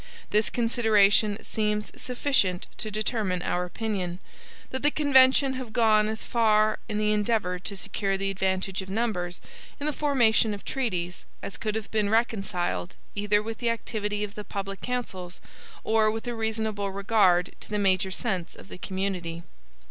This consideration seems sufficient to determine our opinion, that the convention have gone as far in the endeavor to secure the advantage of numbers in the formation of treaties as could have been reconciled either with the activity of the public councils or with a reasonable regard to the major sense of the community.